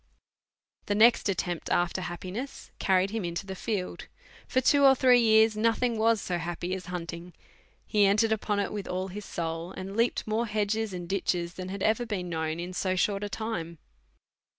The next attempt after happiness carried him into the field ; for two or three years nothing was so happy as hunting ; he entered upon it with all his sou!, and leaped more hedges and ditches than had ever been known in so short a time.